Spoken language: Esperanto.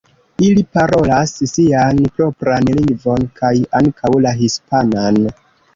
Ili parolas sian propran lingvon kaj ankaŭ la hispanan.